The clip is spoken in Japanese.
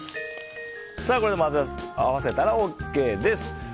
これで混ぜ合わせたらＯＫです。